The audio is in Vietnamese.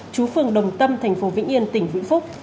chú phường đồng tâm thành phố vĩnh yên tỉnh vĩnh phúc